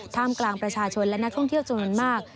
กลางประชาชนและนักท่องเที่ยวจำนวนมาก